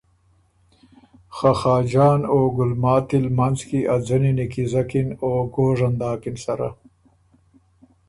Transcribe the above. خه خاجان او ګلماتی ل منځ کی ا ځنی نیکیزکِن او ګوژن داکِن سره۔